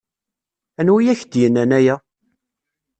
Anwa i ak-d-yennan aya?